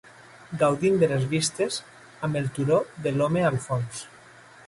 gaudint de les vistes amb el turó de l'Home al fons